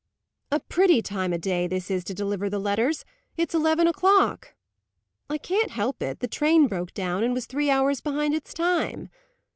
"A pretty time o' day this is to deliver the letters. It's eleven o'clock!" "I can't help it. The train broke down, and was three hours behind its time."